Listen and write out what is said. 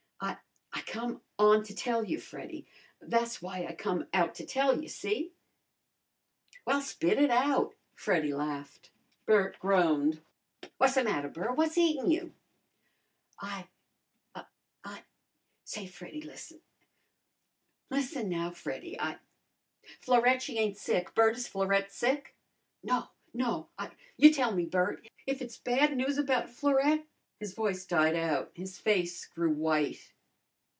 "I I come on to tell you, Freddy. Tha's why I come out to tell you, see?" "Well, spit it out," Freddy laughed. Bert groaned. "Whassa matter, Bert? What's eatin' you?" "I I Say, Freddy, lissen lissen, now, Freddy. I " "Florette! She ain't sick? Bert, is Florette sick?" "No! No, I " "You tell me, Bert! If it's bad news about Florette " His voice died out. His face grew white.